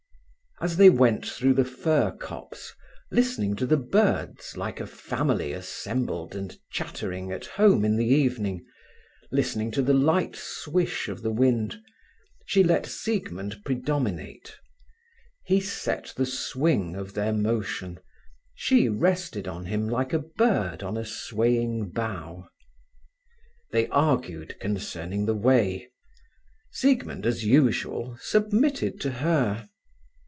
As they went through the fir copse, listening to the birds like a family assembled and chattering at home in the evening, listening to the light swish of the wind, she let Siegmund predominate; he set the swing of their motion; she rested on him like a bird on a swaying bough. They argued concerning the way. Siegmund, as usual, submitted to her.